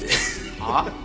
はあ？